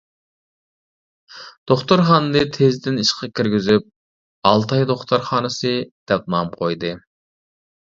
دوختۇرخانىنى تېزدىن ئىشقا كىرگۈزۈپ، «ئالتاي دوختۇرخانىسى» دەپ نام قويدى.